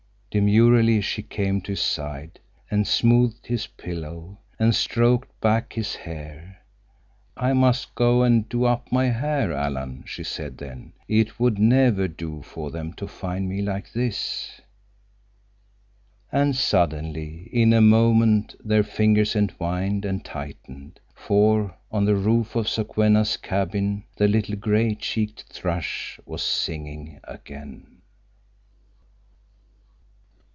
Demurely she came to his side, and smoothed his pillow, and stroked back his hair. "I must go and do up my hair, Alan," she said then. "It would never do for them to find me like this." And suddenly, in a moment, their fingers entwined and tightened, for on the roof of Sokwenna's cabin the little gray cheeked thrush was singing again.